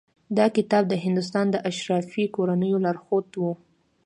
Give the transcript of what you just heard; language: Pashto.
دا کتاب د هندوستان د اشرافي کورنیو لارښود و.